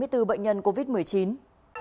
hãy đăng ký kênh để ủng hộ kênh mình nhé